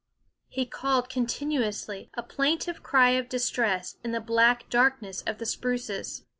He called THE WOODS H continuously, a plaintive cry of distress, in the black darkness of the spruces.